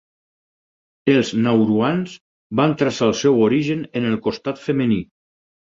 Els nauruans van traçar el seu origen en el costat femení.